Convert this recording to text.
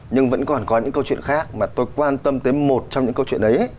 nhưng vẫn còn có những câu chuyện khác mà tôi quan tâm tới một trong những câu chuyện ấy